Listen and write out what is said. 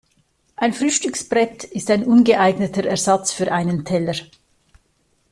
Ein Frühstücksbrett ist ein ungeeigneter Ersatz für einen Teller.